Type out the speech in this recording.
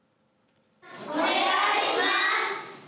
お願いします。